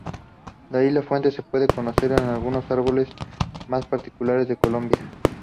En isla Fuerte se pueden conocer algunos de los árboles más particulares de Colombia.